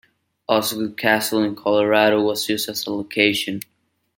Osgood Castle in Colorado was used as a location.